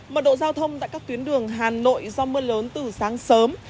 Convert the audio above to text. mật độ giao thông tại các tuyến đường hà nội do mưa lớn từ sáng sớm